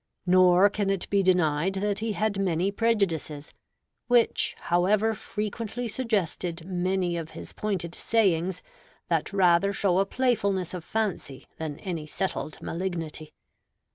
Nor can it be denied that he had many prejudices; which, however, frequently suggested many of his pointed sayings, that rather show a playfulness of fancy than any settled malignity.